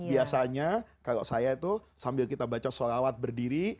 biasanya kalau saya itu sambil kita baca sholawat berdiri